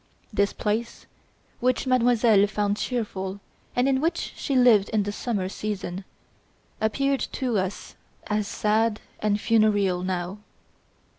This place, which Mademoiselle found cheerful and in which she lived in the summer season, appeared to us as sad and funereal now.